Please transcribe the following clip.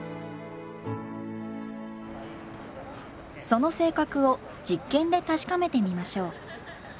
その性格を実験で確かめてみましょう。